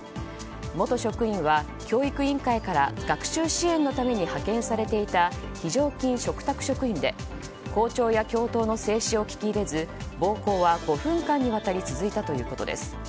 元職員は教育委員会から学習支援のために派遣されていた非常勤嘱託職員で校長や教頭の制止を聞き入れず暴行は５分間にわたり続いたということです。